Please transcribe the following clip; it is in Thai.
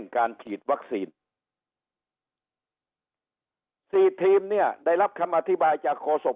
การฉีดวัคซีนสี่ทีมเนี่ยได้รับคำอธิบายจากโฆษก